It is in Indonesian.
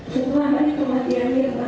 setelah hari kematian irma